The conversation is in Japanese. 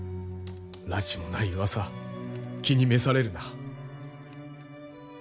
らちもないうわさ気に召されるな。